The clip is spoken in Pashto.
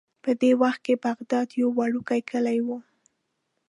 په دغه وخت کې بغداد یو وړوکی کلی و.